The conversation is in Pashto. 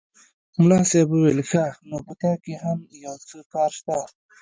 ملا صاحب وویل ښه! نو په تا کې هم یو څه کار شته.